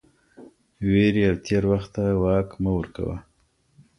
وېرې او تېر وخت ته واک مه ورکوه